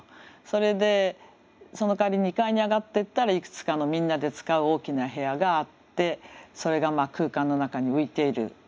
それでそのかわり２階に上がってったらいくつかのみんなで使う大きな部屋があってそれが空間の中に浮いている。